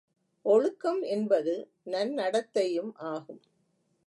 ஒழுக்கம் என்பது நன்னடத்தையும் ஆகும்.